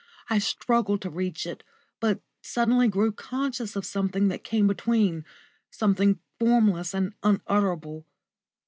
I struggled to reach it, but suddenly grew conscious of something that came between something formless and unutterable.